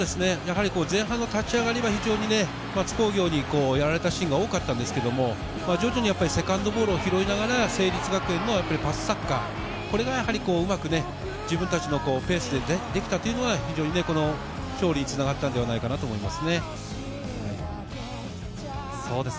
前半の立ち上がりは非常に津工業にやられたシーンが多かったんですけど、徐々にセカンドボールを拾いながら成立学園のパスサッカー、これがうまく自分達のペースでできたというのが、非常に勝利につながったのではないかと思います。